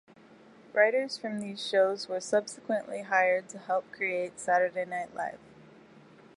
Writers from these shows were subsequently hired to help create Saturday Night Live.